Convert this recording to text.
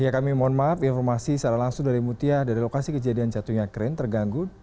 ya kami mohon maaf informasi secara langsung dari mutia dari lokasi kejadian jatuhnya kren terganggu